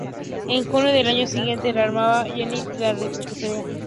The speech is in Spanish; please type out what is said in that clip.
En junio del año siguiente, la Armada yemení la recuperó.